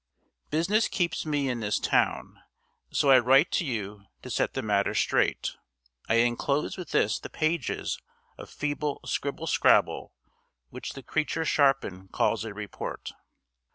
Business keeps me in this town, so I write to you to set the matter straight. I inclose with this the pages of feeble scribble scrabble which the creature Sharpin calls a report.